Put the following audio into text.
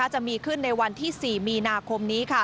จะมีขึ้นในวันที่๔มีนาคมนี้